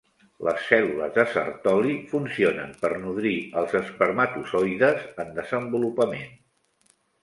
Les cèl·lules de Sertoli funcionen per nodrir els espermatozoides en desenvolupament.